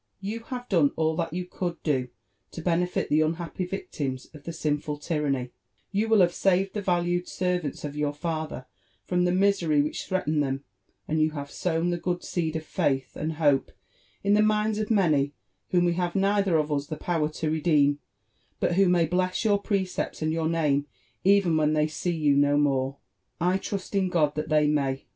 You have done all that you could do to benefit the unhappy victims of the sinful tyranny ^you will have saved the valued servants of your father from the misery which threatened them, and you have sown the good seed of faith and hope in the minds of many whom we have neither of us the power to redeem, but who may bless your precepts and your name even when they see you no more." '* I trust in God that they may